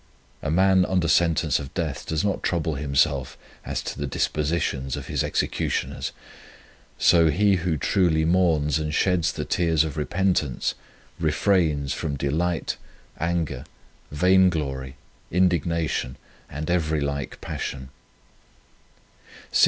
A man under sentence of death does not trouble himself as to the dispositions of his execu tioners ; so he who truly mourns and sheds the tears of repentance, refrains from delight, anger, vain St. Augustine, in his work " De Virginit.